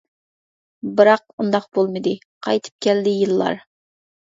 بىراق ئۇنداق بولمىدى، قايتىپ كەلدى يىللار.